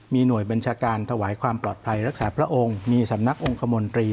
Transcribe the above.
มีหน่วยบัญชาการถวายความปลอดภัยรักษาพระองค์มีสำนักองคมนตรี